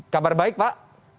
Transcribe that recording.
kabar baik pak